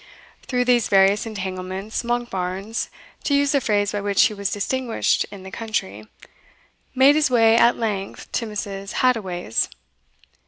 Through these various entanglements, Monkbarns (to use the phrase by which he was distinguished in the country) made his way at length to Mrs. Hadoway's.